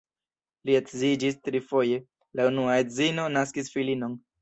Li edziĝis trifoje, la unua edzino naskis filinon.